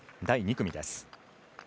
第２組です。